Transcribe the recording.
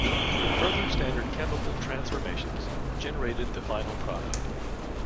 Further standard chemical transformations generated the final product.